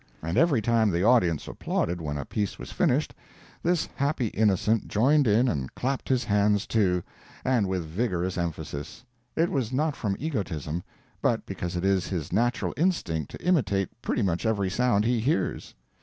And every time the audience applauded when a piece was finished, this happy innocent joined in and clapped his hands, too, and with vigorous emphasis. It was not from egotism, but because it is his natural instinct to imitate pretty much every sound he hears.